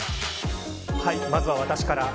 まずは私から。